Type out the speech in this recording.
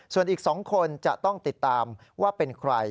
ส่วนอีก๒คนจะต้องติดตามว่าเป็นใคร